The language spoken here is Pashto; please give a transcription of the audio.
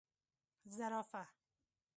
🦒 زرافه